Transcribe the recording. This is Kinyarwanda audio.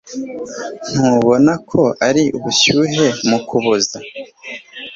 Ntubona ko ari ubushyuhe mu Kuboza